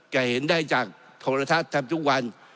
เห็นได้จากโทรทัศน์ทำทุกวัน